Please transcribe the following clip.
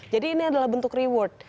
jadi ini adalah bentuk reward